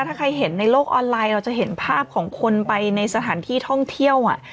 ถ้าใครเห็นในโลกออนไลน์เราจะเห็นภาพของคนไปในสถานที่ท่องเที่ยว